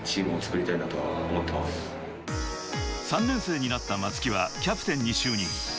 ３年生になった松木はキャプテンに就任。